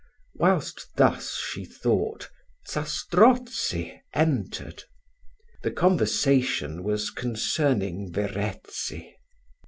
Whilst thus she thought, Zastrozzi entered The conversation was concerning Verezzi.